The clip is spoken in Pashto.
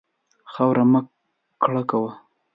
خاوره مه ککړوه.